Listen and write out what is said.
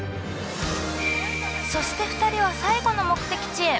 そして２人は最後の目的地へ。